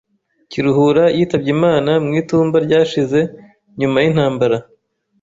Kiruhura yitabye Imana mu itumba ryashize nyuma yintambara.